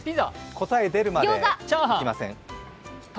答え出るまで行きません。